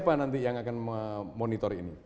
kita akan memonitor ini